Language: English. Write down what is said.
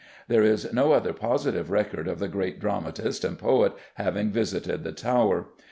There is no other positive record of the great dramatist and poet having visited the Tower.